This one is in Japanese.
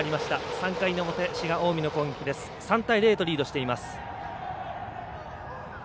３対０とリードしています。